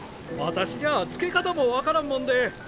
私じゃつけ方も分からんもんで。